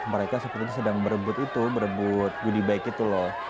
mereka sepertinya sedang berebut itu berebut goodie bag itu loh